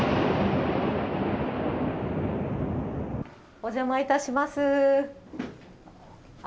お邪魔いたします。